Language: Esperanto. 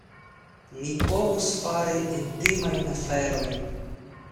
Ni povus fari intimajn aferojn.